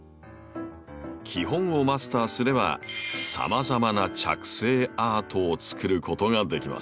基本をマスターすればさまざまな着生アートをつくることができます。